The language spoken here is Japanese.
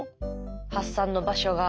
発散の場所が。